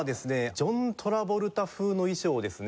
ジョン・トラボルタ風の衣装をですね